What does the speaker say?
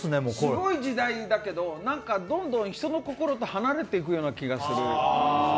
すごい時代だけど、どんどん人の心と離れていくような気がする。